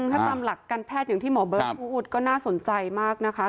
ถ้าตามหลักการแพทย์อย่างที่หมอเบิร์ตพูดก็น่าสนใจมากนะคะ